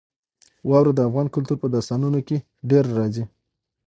واوره د افغان کلتور په داستانونو کې ډېره راځي.